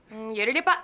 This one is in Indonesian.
hmm yaudah deh pak